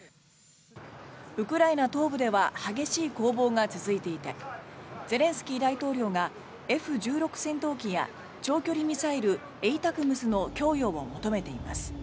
ウクライナ東部では激しい攻防が続いていてゼレンスキー大統領がＦ１６戦闘機や長距離ミサイルＡＴＡＣＭＳの供与を求めています。